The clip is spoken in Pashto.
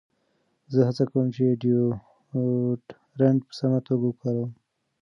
زه هڅه کوم چې ډیوډرنټ په سمه توګه وکاروم.